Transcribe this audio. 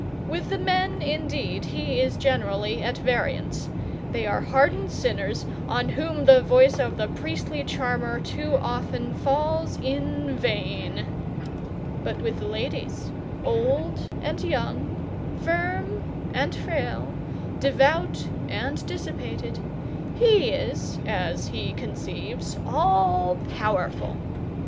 With the men, indeed, he is generally at variance; they are hardened sinners, on whom the voice of priestly charmer often falls in vain; but with the ladies, old and young, firm and frail, devout and dissipated, he is, as he conceives, all powerful.